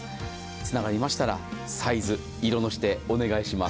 つながりましたらサイズ、色の指定、お願いします。